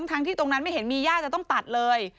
ทั้งที่ตรงนั้นไม่เห็นมีย่าจะต้องตัดเลย